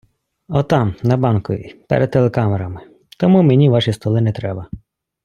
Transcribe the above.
Отам на Банковій перед телекамерами, тому мені Ваші столи нетреба.